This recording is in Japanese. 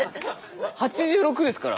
８６ですから！